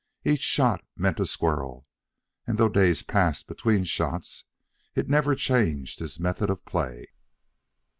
Each shot meant a squirrel, and though days elapsed between shots, it never changed his method of play.